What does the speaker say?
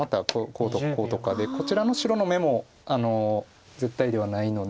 こうとかこうとかでこちらの白の眼も絶対ではないので。